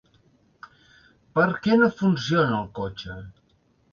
Per què no funciona el cotxe?